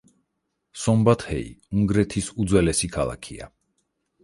სომბატჰეი უნგრეთის უძველესი ქალაქია.